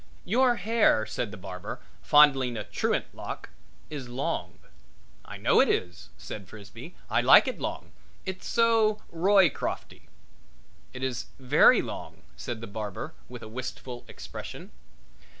"Your hair," said the barber, fondling a truant lock, "is long." "I know it is," said Frisbee. "I like it long. It's so Roycrofty." "It is very long," said the barber with a wistful expression.